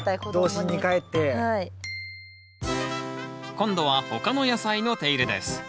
今度は他の野菜の手入れです。